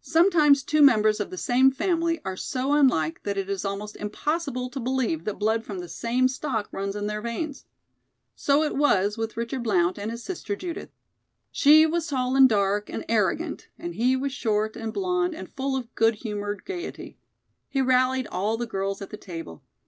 Sometimes two members of the same family are so unlike that it is almost impossible to believe that blood from the same stock runs in their veins. So it was with Richard Blount and his sister, Judith. She was tall and dark and arrogant, and he was short and blond and full of good humored gayety. He rallied all the girls at the table.